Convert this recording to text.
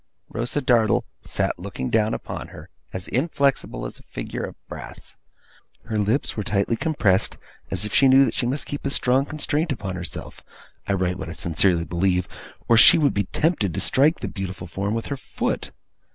Rosa Dartle sat looking down upon her, as inflexible as a figure of brass. Her lips were tightly compressed, as if she knew that she must keep a strong constraint upon herself I write what I sincerely believe or she would be tempted to strike the beautiful form with her foot.